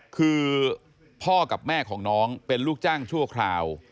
คือพ่อกับแม่ของน้องเป็นลูกจ้างชั่วคราว